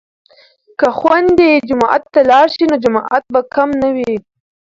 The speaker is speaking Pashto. که خویندې جومات ته لاړې شي نو جماعت به کم نه وي.